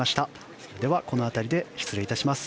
では、この辺りで失礼いたします。